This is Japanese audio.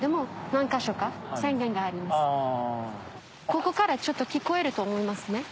ここからちょっと聞こえると思います。